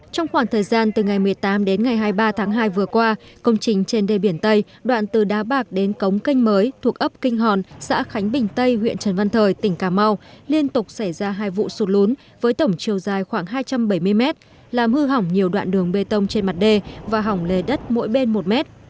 trong khoảng thời gian từ ngày một mươi tám đến ngày hai mươi ba tháng hai vừa qua công trình trên đề biển tây đoạn từ đá bạc đến cống canh mới thuộc ấp kinh hòn xã khánh bình tây huyện trần văn thời tỉnh cà mau liên tục xảy ra hai vụ sụt lún với tổng chiều dài khoảng hai trăm bảy mươi mét làm hư hỏng nhiều đoạn đường bê tông trên mặt đê và hỏng lề đất mỗi bên một mét